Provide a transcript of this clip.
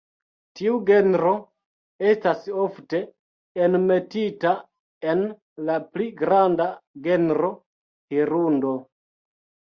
Tiu genro estas ofte enmetita en la pli granda genro "Hirundo".